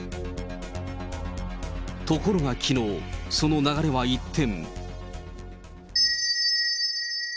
ところが、きのう、その流れは一転。